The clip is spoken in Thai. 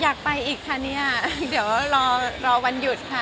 อยากไปอีกคะเนี่ยเดี๋ยวรอรอวันหยุดค่ะ